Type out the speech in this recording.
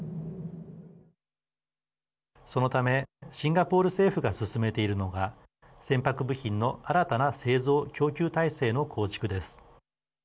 そのため、シンガポール政府が進めているのが船舶部品の新たな製造・供給体制の構築です。